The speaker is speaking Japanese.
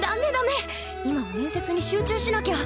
今は面接に集中しなきゃ！